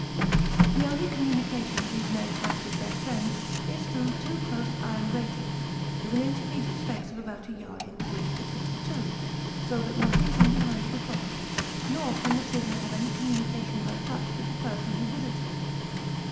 The only communication these men have with their friends, is through two close iron gratings, with an intermediate space of about a yard in width between the two, so that nothing can be handed across, nor can the prisoner have any communication by touch with the person who visits him.